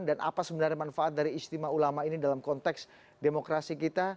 apa sebenarnya manfaat dari istimewa ulama ini dalam konteks demokrasi kita